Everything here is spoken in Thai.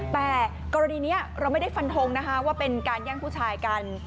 แต่กรณีนี้เราไม่ได้ฟันทงนะคะว่าเป็นการแย่งผู้ชายกัน